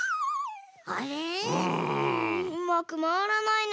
うまくまわらないね。